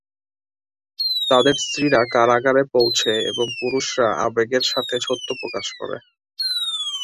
তাদের স্ত্রীরা কারাগারে পৌঁছে এবং পুরুষরা আবেগের সাথে সত্য প্রকাশ করে।